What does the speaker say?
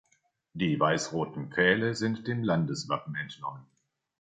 Die weiß-roten Pfähle sind dem Landeswappen entnommen.